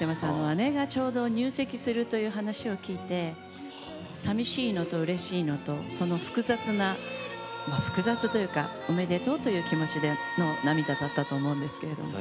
姉がちょうど入籍するという話を聞いてさみしいのとうれしいのとその複雑な複雑というかおめでとうという気持ちの涙だったと思うんですけれども。